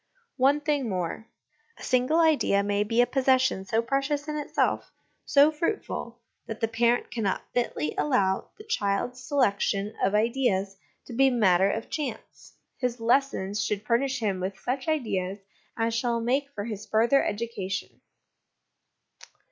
One thing more : a single idea may be a possession so precious in itself, so fruitful, that the parent cannot fitly allow the child's selection of ideas to be a matter of chance : his lessons should furnish him with such ideas as shall make for his further education.